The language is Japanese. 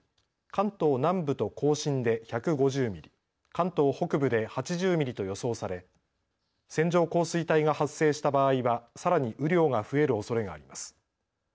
関東南部と甲信で１５０ミリ関東北部で８０ミリと予想され線状降水帯が発生した場合はさらに雨量が増えるおそれがあります。